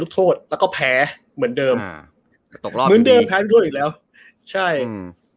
ก็เรียกเป็นเดียวแคมป์ที่เราไม่รู้